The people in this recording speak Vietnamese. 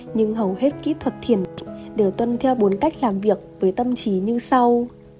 nhưng hầu hết kỹ thuật thiền đều tuân theo bốn cách làm việc với tâm trí như sau